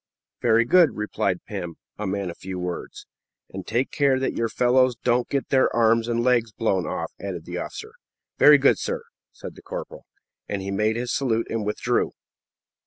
"Very good," replied Pim, a man of few words. "And take care that your fellows don't get their arms and legs blown off," added the officer. "Very good, sir," said the corporal; and he made his salute and withdrew.